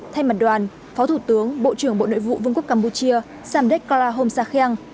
thay mặt đoàn phó thủ tướng bộ trưởng bộ nội vụ vương quốc campuchia samdech kala homsakheng